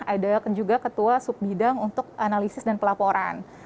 ada juga ketua sub bidang untuk analisis dan pelaporan